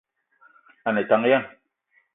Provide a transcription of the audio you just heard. A ne tank ya ?